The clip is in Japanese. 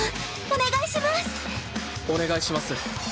お願いします。